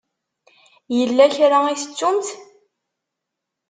Yella kra i tettumt?